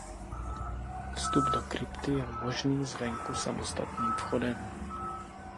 Vstup do krypty je možný z venku samostatným vchodem.